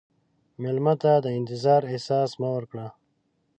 مېلمه ته د انتظار احساس مه ورکړه.